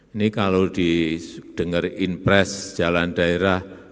ini kalau didengar in press jalan daerah